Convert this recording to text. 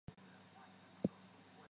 为何这么多脑区与价值信号有关。